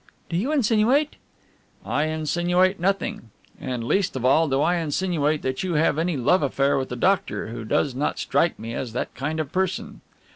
"Do you insinuate ?" "I insinuate nothing. And least of all do I insinuate that you have any love affair with the doctor, who does not strike me as that kind of person."